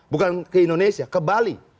bukan ke indonesia ke bali